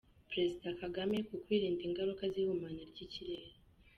Perezida Kagame ku kwirinda ingaruka z’ihumana ry’ ikirere….